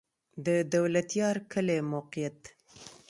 د دولتيار کلی موقعیت